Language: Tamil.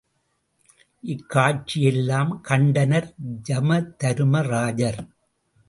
இக்காட்சி யெல்லாம் கண்டனர் யமதருமராஜர்.